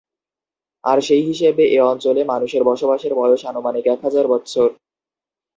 আর সেই হিসেবে এ অঞ্চলে মানুষের বসবাসের বয়স আনুমানিক এক হাজার বৎসর।